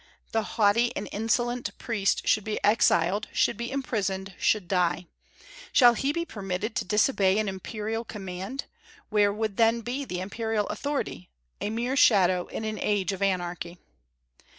The haughty and insolent priest should be exiled, should be imprisoned, should die. Shall he be permitted to disobey an imperial command? Where would then be the imperial authority? a mere shadow in an age of anarchy.